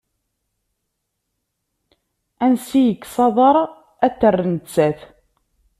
Ansi yekkes aḍar a t-terr nettat.